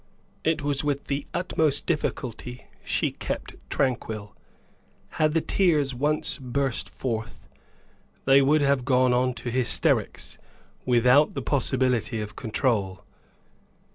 It was with the utmost difficulty she kept tranquil. Had the tears once burst forth, they would have gone on to hysterics, without the possibility of control.